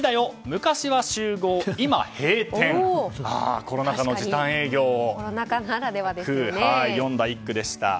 昔は集合今閉店」コロナ禍の時短営業を詠んだ一句でした。